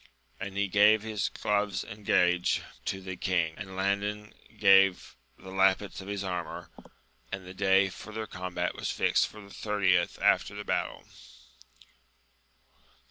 And he gave his gloves in gage to the king, and Landin gave the lappets of his armour ; and AMADIB. OF OAtJL. 15 the day for their combit WM fijoed for the thirtieth after the battle.